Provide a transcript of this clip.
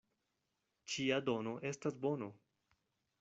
Ĉia dono estas bono.